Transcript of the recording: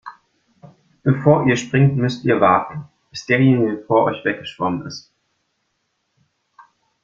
Bevor ihr springt, müsst ihr warten, bis derjenige vor euch weggeschwommen ist.